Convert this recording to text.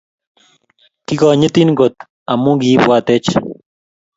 Kigonyitin kot amu Ki-ibwatech -